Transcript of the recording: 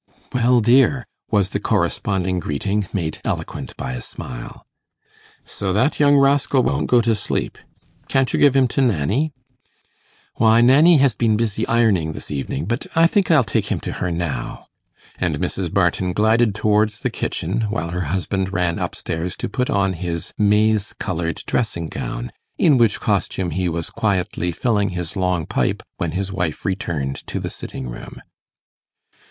'Well, dear!' was the corresponding greeting, made eloquent by a smile. 'So that young rascal won't go to sleep! Can't you give him to Nanny?' 'Why, Nanny has been busy ironing this evening; but I think I'll take him to her now.' And Mrs. Barton glided towards the kitchen, while her husband ran up stairs to put on his maize coloured dressing gown, in which costume he was quietly filling his long pipe when his wife returned to the sitting room.